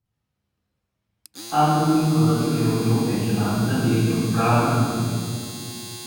安都因河的支流由北至南分别有格拉顿河。